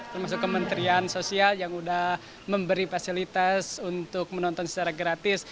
termasuk kementerian sosial yang sudah memberi fasilitas untuk menonton secara gratis